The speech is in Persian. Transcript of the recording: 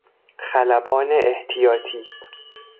خلبان احتیاطی